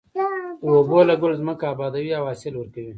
اوبو لګول ځمکه ابادوي او حاصل ورکوي.